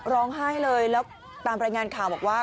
ร้องไห้เลยแล้วตามรายงานข่าวบอกว่า